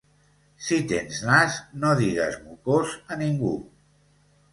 Si tens nas no digues mocós a ningú.